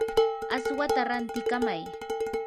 aswata rantikamay.